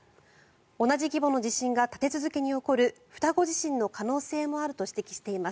同じ規模の地震が立て続けに起こる双子地震の可能性もあると指摘しています。